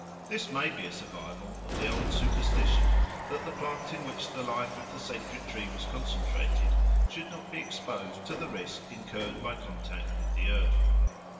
This may be a survival of the old superstition that the plant in which the life of the sacred tree was concentrated should not be exposed to the risk incurred by contact with the earth.